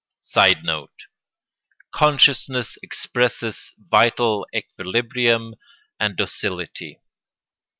[Sidenote: Consciousness expresses vital equilibrium and docility.